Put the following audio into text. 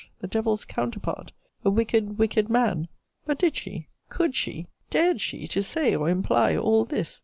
'The devil's counterpart!' 'A wicked, wicked man!' But did she, could she, dared she, to say, or imply all this?